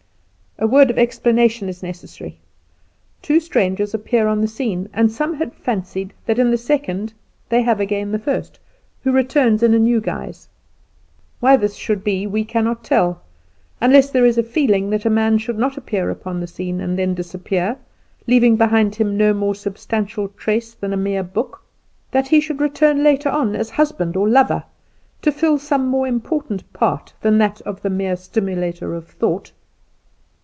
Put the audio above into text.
A word of explanation is necessary. Two strangers appear on the scene, and some have fancied that in the second they have again the first, who returns in a new guise. Why this should be we cannot tell; unless there is a feeling that a man should not appear upon the scene, and then disappear, leaving behind him no more substantial trace than a mere book; that he should return later on as husband or lover, to fill some more important part than that of the mere stimulator of thought.